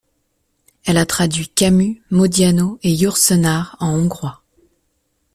Elle a traduit Camus, Modiano et Yourcenar en hongrois.